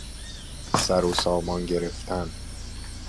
سر و سامان گرفتن